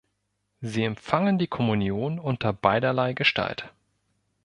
Sie empfangen die Kommunion unter beiderlei Gestalt.